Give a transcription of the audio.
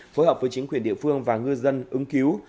phối hợp với chính quyền địa phương và ngư dân ứng cứu